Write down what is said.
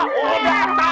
ya tuhan tuhan